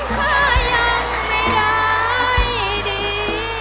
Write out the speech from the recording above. ถ้ายังไม่ได้ดี